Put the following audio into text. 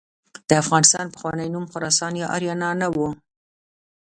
د افغانستان پخوانی نوم خراسان یا آریانا نه و.